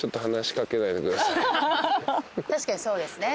確かにそうですね。